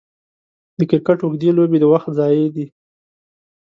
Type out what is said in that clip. د کرکټ اوږدې لوبې د وخت ضايع دي.